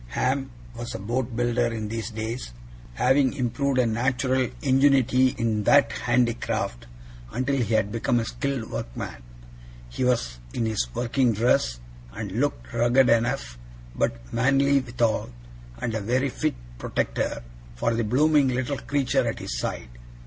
Ham was a boat builder in these days, having improved a natural ingenuity in that handicraft, until he had become a skilled workman. He was in his working dress, and looked rugged enough, but manly withal, and a very fit protector for the blooming little creature at his side.